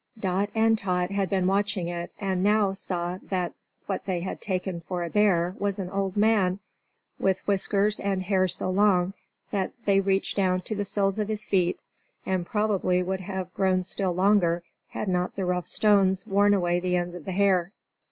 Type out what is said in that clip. Dot and Tot had been watching it, and now saw that what they had taken for a bear was an old man, with whiskers and hair so long that they reached down to the soles of his feet, and probably would have grown still longer had not the rough stones worn away the ends of the hair.